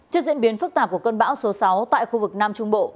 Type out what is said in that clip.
trước diễn biến phức tạp của cơn bão số sáu tại khu vực nam trung bộ